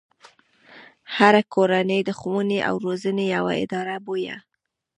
هره کورنۍ د ښوونې او روزنې يوه اداره بويه.